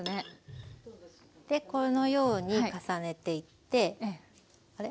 でこのように重ねていってあれ？